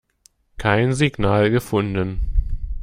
Kein Signal gefunden.